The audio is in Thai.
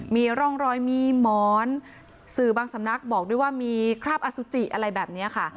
มีร่องรอยมีหมอนสื่อบางสำนักบอกด้วยว่ามีคราบอสุจิอะไรแบบนี้ค่ะ